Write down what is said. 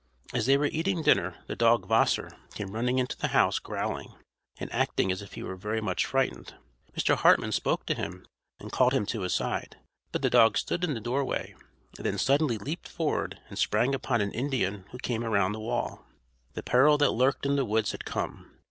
As they were eating dinner the dog Wasser came running into the house growling, and acting as if he were very much frightened. Mr. Hartman spoke to him, and called him to his side. But the dog stood in the doorway, and then suddenly leaped forward and sprang upon an Indian who came around the wall. The peril that lurked in the woods had come.